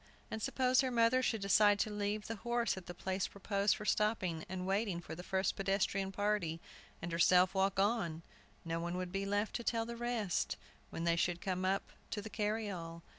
And suppose her mother should decide to leave the horse at the place proposed for stopping and waiting for the first pedestrian party, and herself walk on, no one would be left to tell the rest, when they should come up to the carryall.